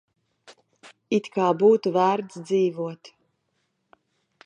It kā būtu vērts dzīvot.